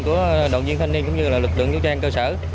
của đoàn viên thanh niên cũng như là lực lượng vũ trang cơ sở